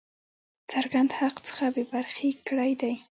څرګند حق څخه بې برخي کړی دی.